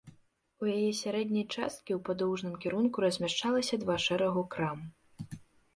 У яе сярэдняй часткі ў падоўжным кірунку размяшчалася два шэрагу крам.